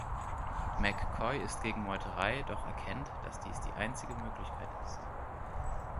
McCoy ist gegen Meuterei, doch erkennt, dass dies die einzige Möglichkeit ist.